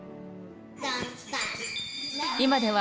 今では、